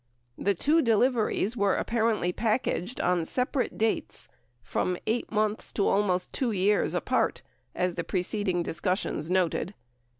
The two deliveries were apparently packaged on separate dates from 8 months to almost 2 years apart, as the preceding discussions noted.